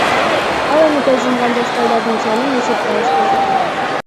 Ал эми көз жумган жаш балдардын санын эсепке алышпайт экен.